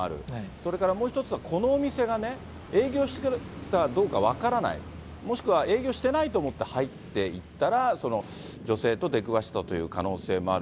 それからもう一つは、このお店が営業してたかどうか分からない、もしくは営業していないと思って入って行ったら、女性と出くわしたという可能性もある。